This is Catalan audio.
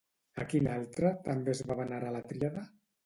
A quin altre també es va venerar la tríada?